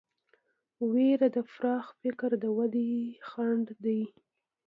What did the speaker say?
وېره د پراخ فکر د ودې خنډ دی.